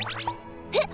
えっ？